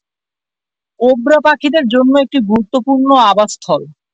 ওব্রা পাখিদের জন্যও একটি গুরুত্বপূর্ণ আবাসস্থল।